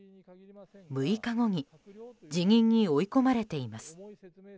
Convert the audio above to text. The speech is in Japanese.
６日後に辞任に追い込まれています。